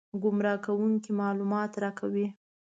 ګمراه کوونکي معلومات راکوي.